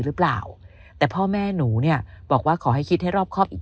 หรือเปล่าแต่พ่อแม่หนูเนี่ยบอกว่าขอให้คิดให้รอบครอบอีก